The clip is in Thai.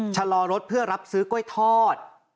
ชะลอรถเพื่อรับซื้อกล้วยทอด